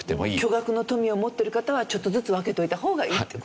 巨額の富を持ってる方はちょっとずつ分けといた方がいいって事。